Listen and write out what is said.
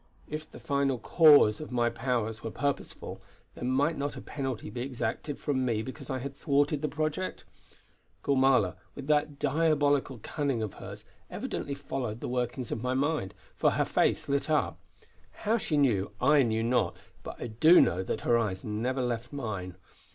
If the Final Cause of my powers were purposeful, then might not a penalty be exacted from me because I had thwarted the project. Gormala, with that diabolical cunning of hers, evidently followed the workings of my mind, for her face lit up. How she knew, I know not, but I do know that her eyes never left mine.